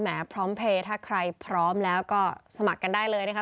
พร้อมเพลย์ถ้าใครพร้อมแล้วก็สมัครกันได้เลยนะคะ